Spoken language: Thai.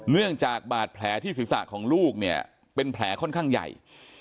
เนื่องจากบาดแผลที่ศีรษะของลูกเนี่ยเป็นแผลค่อนข้างใหญ่